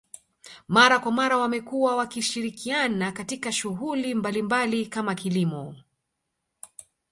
Mara kwa mara wamekuwa wakishirikiana katika shughuli mbalimbali kama kilimo